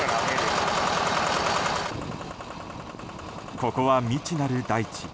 ここは未知なる大地。